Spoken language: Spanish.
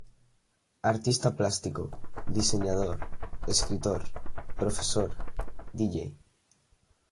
Artista plástico, diseñador, escritor, profesor, dj.